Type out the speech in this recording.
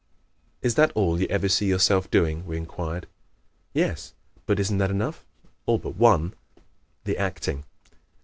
"Is that all you ever see yourself doing?" we inquired. "Yes but isn't that enough?" "All but one the acting."